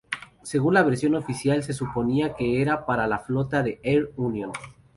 Según la versión oficial, se suponía que era para la flota de Air Union.